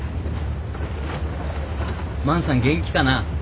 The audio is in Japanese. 万さん元気かな？